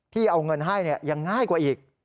เอาเงินให้ยังง่ายกว่าอีก